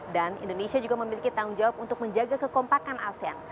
dan indonesia juga memiliki tanggung jawab untuk menjaga kekompakan asean